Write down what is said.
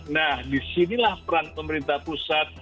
nah disinilah peran pemerintah pusat